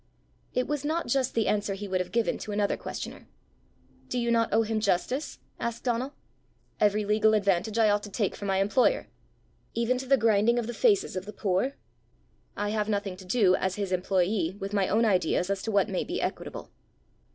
It was not just the answer he would have given to another questioner. "Do you not owe him justice?" asked Donal. "Every legal advantage I ought to take for my employer." "Even to the grinding of the faces of the poor?" "I have nothing to do, as his employé, with my own ideas as to what may be equitable."